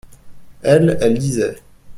Elle, elle lisait.